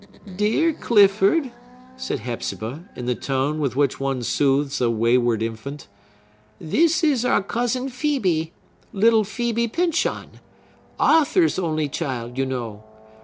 "Dear Clifford," said Hepzibah, in the tone with which one soothes a wayward infant, "this is our cousin Phœbe,—little Phœbe Pyncheon,—Arthur's only child, you know.